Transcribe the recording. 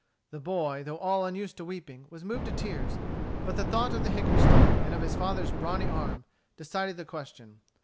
The boy, though all unused to weeping, was moved to tears. But the thought of the hickory stick, and of his father's brawny arm, decided the question.